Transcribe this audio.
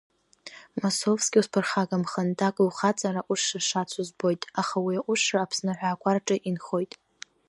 Масовски усԥырхагамхан, Ҭакәи, ухаҵара аҟәышра шацу збоит, аха уи аҟәышра Аԥсны аҳәаақәа рҿы инхоит.